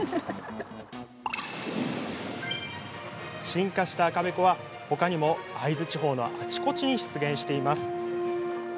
進化した赤べこはほかにも会津地方のあちこちに出現しています。